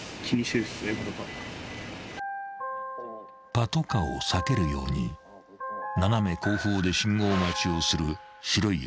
［パトカーを避けるように斜め後方で信号待ちをする］